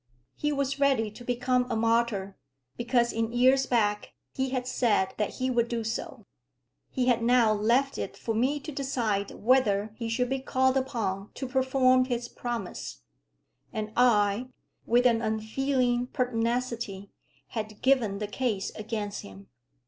He was ready to become a martyr, because in years back he had said that he would do so. He had now left it for me to decide whether he should be called upon to perform his promise; and I, with an unfeeling pertinacity, had given the case against him.